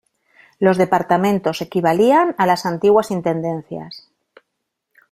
Los departamentos equivalían a las antiguas Intendencias.